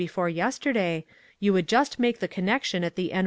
17 before yesterday, you would just make the connection at the N.